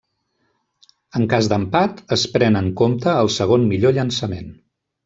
En cas d'empat es pren en compte el segon millor llançament.